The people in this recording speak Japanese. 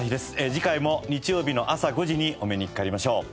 次回も日曜日の朝５時にお目にかかりましょう。